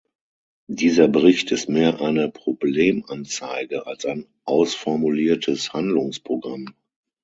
Dieser Bericht ist mehr eine Problemanzeige als ein ausformuliertes Handlungsprogramm.